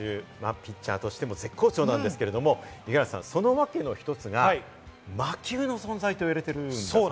ピッチャーとしても絶好調なんですけれども、五十嵐さん、その訳の一つが魔球の存在と言われているんですよね。